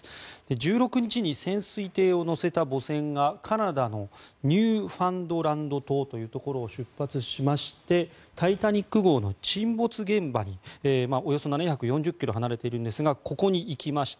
１６日に潜水艇を載せた母船がカナダのニューファンドランド島というところを出発しまして「タイタニック号」の沈没現場におよそ７４０ｋｍ離れているんですがここに行きまして